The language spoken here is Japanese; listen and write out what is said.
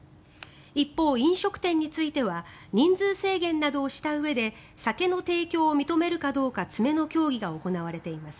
一方、飲食店については人数制限などをしたうえで酒の提供を認めるかどうか詰めの協議が行われています。